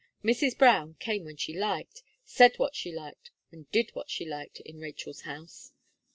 Mrs. Brown came when she liked, said what she liked, and did what she liked in Rachel's house.